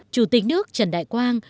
chủ tịch nước trần đại quang